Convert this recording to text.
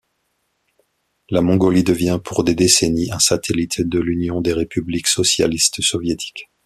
La Mongolie devient, pour des décennies, un satellite de l'Union des républiques socialistes soviétiques.